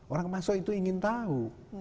orang masuk itu ingin tahu